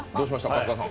春日さん。